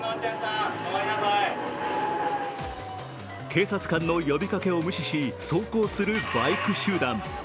警察官の呼びかけを無視し、走行するバイク集団。